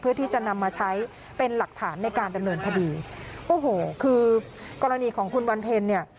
เพื่อที่จะนำมาใช้เป็นหลักฐานในการดำเนินคดีโอ้โหคือกรณีของคุณวันเพ็ญเนี่ย